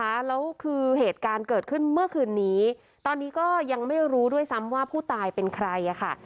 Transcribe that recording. แล้วคือเหตุการณ์เกิดขึ้นเมื่อคืนนี้ตอนนี้ก็ยังไม่รู้ด้วยซ้ำว่าผู้ตายเป็นใครอ่ะค่ะ